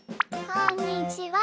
こんにちは。